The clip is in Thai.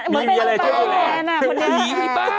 มีอะไรช่วยดูแล